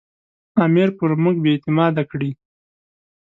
امیر پر موږ بې اعتماده کړي.